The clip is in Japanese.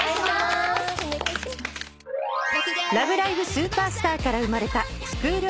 スーパースター！！』から生まれたスクール